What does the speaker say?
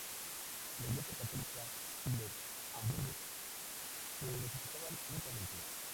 La Iglesia católica y los Habsburgos se necesitaban mutuamente.